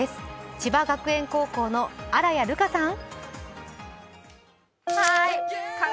千葉学園高校の荒谷流花さん。